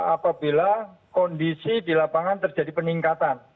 apabila kondisi di lapangan terjadi peningkatan